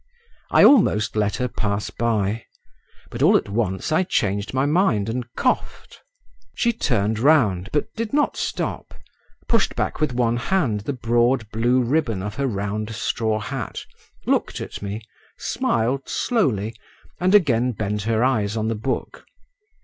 I almost let her pass by; but all at once I changed my mind and coughed. She turned round, but did not stop, pushed back with one hand the broad blue ribbon of her round straw hat, looked at me, smiled slowly, and again bent her eyes on the book.